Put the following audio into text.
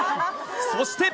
そして。